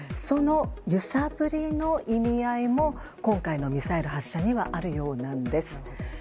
その揺さぶりの意味合いも今回のミサイル発射にはあるようなんです。